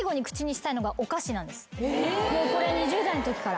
もうこれ２０代のときから。